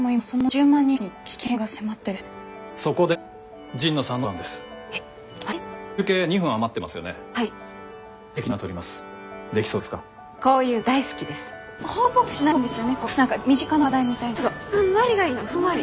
そうそうそうふんわりがいいのふんわり。